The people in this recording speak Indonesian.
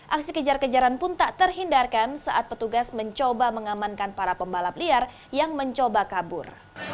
aksi kejar kejaran pun tak terhindarkan saat petugas mencoba mengamankan para pembalap liar yang mencoba kabur